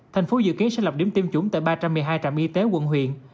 thành phố dự kiến sẽ lập điểm tiêm chủng tại ba trăm một mươi hai trạm y tế quận huyện